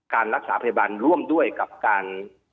การรักษาพยาบาลร่วมด้วยกับการ